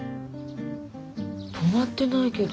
泊まってないけど。